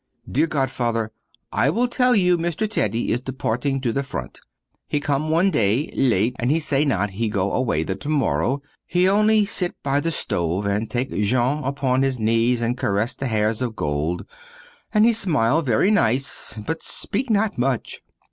Dear godfather I will tell you Mr. Teddy is departed to the front. He come one day, late, and he say not he go away the tomorrow; he only sit by the stove, and take Jean upon his knees and caress the hairs of gold; and he smile very nice but speak not much.